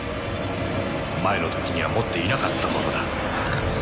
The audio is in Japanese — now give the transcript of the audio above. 前の時には持っていなかったものだ